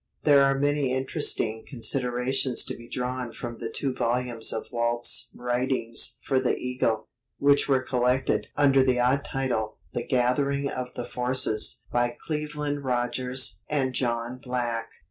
There are many interesting considerations to be drawn from the two volumes of Walt's writings for the Eagle, which were collected (under the odd title "The Gathering of the Forces") by Cleveland Rodgers and John Black.